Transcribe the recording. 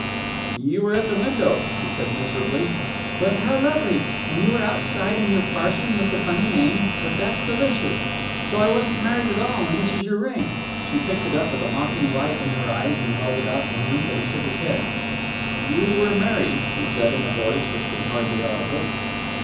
"You were at the window," he said miserably. "But how lovely! And you were outside and your parson with the funny name but that's delicious! So I wasn't married at all and this is your ring." She picked it up with a mocking light in her eyes, and held it out to him, but he shook his head. "You were married," he said, in a voice which was hardly audible.